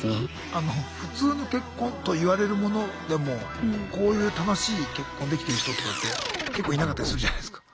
あの普通の結婚といわれるものでもこういう楽しい結婚できてる人とかって結構いなかったりするじゃないすか。